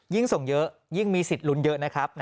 ยิ่งส่งเยอะยิ่งมีสิทธิ์ลุ้นเยอะนะครับ